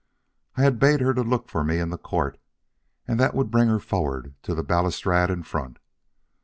I had bade her to look for me in the court, and that would bring her forward to the balustrade in front.